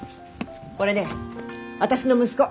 これね私の息子。